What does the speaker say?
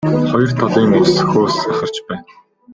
Хоёр талын ус хөөс сахарч байна.